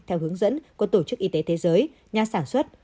theo hướng dẫn của tổ chức y tế thế giới nhà sản xuất